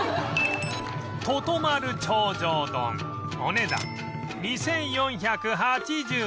とと丸頂上丼お値段２４８０円